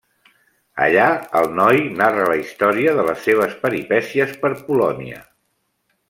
Allà, el noi narra la història de les seves peripècies per Polònia.